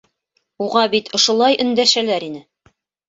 Уға бит ошолай өндәшәләр ине!